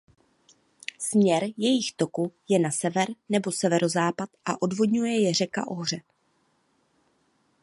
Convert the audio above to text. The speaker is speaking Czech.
Směr jejich toku je na sever nebo severozápad a odvodňuje je řeka Ohře.